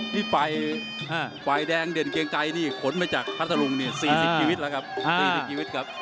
นี่ปลายแดงเด่นเกรงกายนี่ขนไปจากพระตรงนี่๔๐ชีวิตแล้วครับ